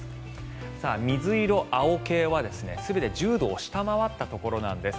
水色、青系は全て１０度を下回ったところなんです。